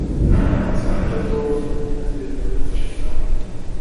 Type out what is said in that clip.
Sinzi icyo Tom yasezeranije nawe